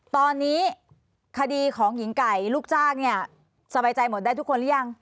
ตอนนี้คดีของหญิงไก่ลูกจ้างเนี่ยสบายใจหมดได้ทุกคนหรือยัง